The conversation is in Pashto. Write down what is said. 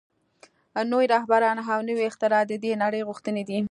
نوي رهبران او نوي اختراعات د دې نړۍ غوښتنې دي